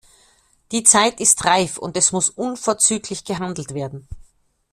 Die Zeit ist reif, und es muss unverzüglich gehandelt werden.